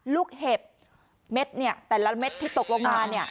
ลูกเห็บเม็ดเนี่ยแต่ละเม็ดที่ตกลงมาเนี่ย